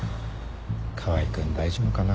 川合君大丈夫かな。